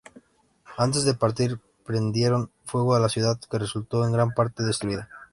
Antes de partir prendieron fuego a la ciudad, que resultó en gran parte destruida.